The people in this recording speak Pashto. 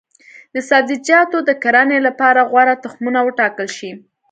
د سبزیجاتو د کرنې لپاره غوره تخمونه وټاکل شي.